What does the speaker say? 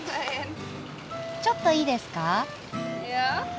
ちょっといいですか？